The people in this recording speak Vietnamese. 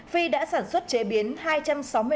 phi đã sản xuất tất cả các hạt điều khô của công ty để bảo quản